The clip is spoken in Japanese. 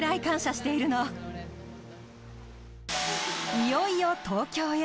いよいよ東京へ。